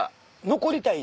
残りたい？